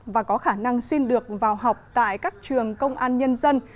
và có khả năng xin được vào học tại các trường công an nhân dân